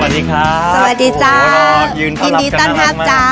สวัสดีครับ